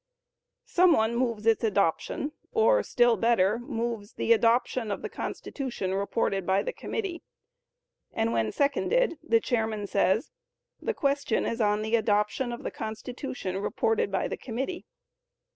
Some one moves its adoption, or still better, moves "the adoption of the Constitution reported by the committee," and when seconded, the chairman says, "The question is on the adoption of the Constitution reported by the committee."